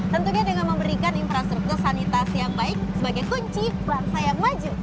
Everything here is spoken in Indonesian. tentunya dengan memberikan infrastruktur sanitasi yang baik sebagai kunci bangsa yang maju